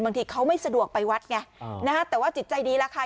บางทีเขาไม่สะดวกไปวัดไงนะฮะแต่ว่าจิตใจดีแล้วค่ะ